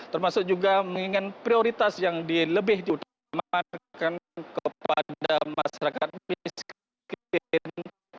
termasuk juga mengingat prioritas yang lebih diutamakan kepada masyarakat miskin